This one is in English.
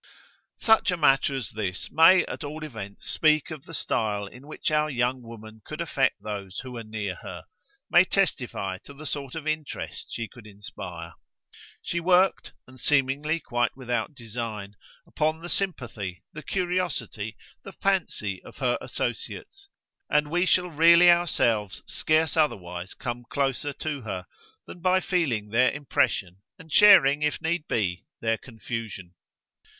Such a matter as this may at all events speak of the style in which our young woman could affect those who were near her, may testify to the sort of interest she could inspire. She worked and seemingly quite without design upon the sympathy, the curiosity, the fancy of her associates, and we shall really ourselves scarce otherwise come closer to her than by feeling their impression and sharing, if need be, their confusion.